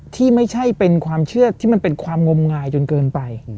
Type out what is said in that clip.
ที่ไม่ใช่เป็นความเชื่อที่มันเป็นความงมงายจนเกินไป